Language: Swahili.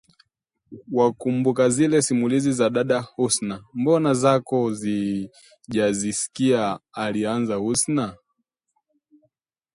Wakumbuka zile simulizi za dada Husna, mbona zako zijazisikia alianza Hassan